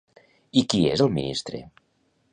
I qui és el ministre?